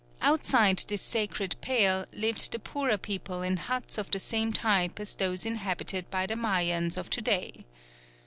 Outside this sacred pale lived the poorer people in huts of the same type as those inhabited by the Mayans of to day.